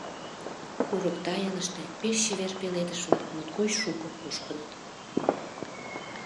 Курык тайылыште пеш чевер пеледыш-влак моткоч шуко кушкыныт.